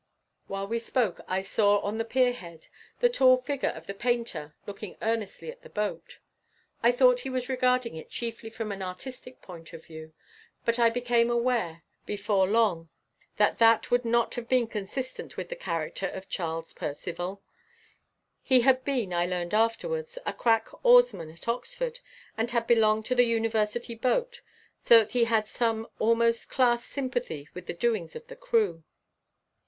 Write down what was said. While we spoke I saw on the pier head the tall figure of the painter looking earnestly at the boat. I thought he was regarding it chiefly from an artistic point of view, but I became aware before long that that would not have been consistent with the character of Charles Percivale. He had been, I learned afterwards, a crack oarsman at Oxford, and had belonged to the University boat, so that he had some almost class sympathy with the doings of the crew.